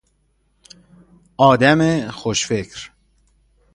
آدم خوش فکر